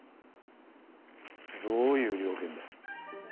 どういう了見だ。